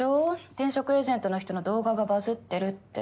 転職エージェントの人の動画がバズってるって。